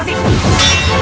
tidak ada apa apa